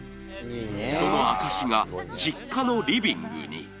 その証しが、実家のリビングに。